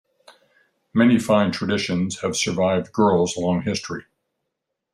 Many fine traditions have survived Girls' long history.